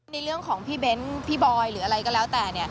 ในเรื่องของพี่เบ้นพี่บอยหรืออะไรก็แล้วแต่